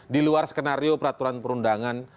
di luar skenario peraturan perundangan